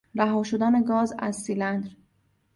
رها شدن گاز از سیلندر